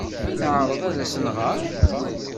I neɛreḍ ad as-nɣer?